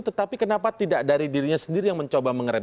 tetapi kenapa tidak dari dirinya sendiri yang mencoba mengeram